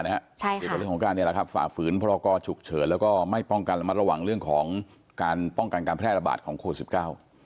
เรื่องของการนี้แหละครับฝ่าฝืนเพราะก็ฉุกเฉินแล้วก็ไม่ป้องกันระหว่างเรื่องของการป้องกันการแพร่ระบาดของโคล๑๙